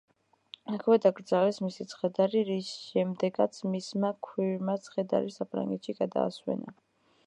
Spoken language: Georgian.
აქვე დაკრძალეს მისი ცხედარი, რის შემდეგაც მისმა ქვრივმა ცხედარი საფრანგეთში გადაასვენა.